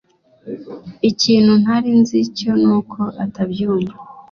ikintu ntari nzi cyo nuko atabyumva